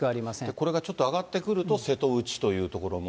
これがちょっと上がってくると、瀬戸内という所も。